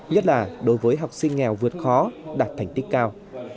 nhất là đối với học sinh nghèo vượt khó đạt thành tích cao